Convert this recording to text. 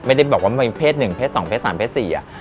ไม่ได้บอกว่ามันเป็นเพศ๑๒๓๔